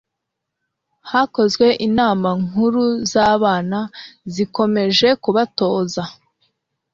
hakozwe inama nkuru z' abana zikomeje kubatoza